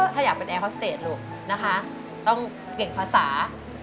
ถ้าอยากเป็นแอร์ฮอสเตจต้องเก่งภาษา